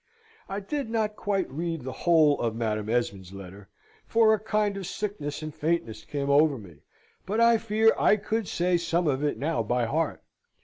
I did not quite read the whole of Madam Esmond's letter, for a kind of sickness and faintness came over me; but I fear I could say some of it now by heart.